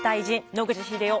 野口英世。